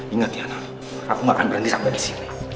ingat tiana aku gak akan berhenti sampai disini